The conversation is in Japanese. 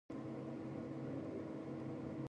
新しいパソコンが欲しいが、値段が高くてなかなか買えない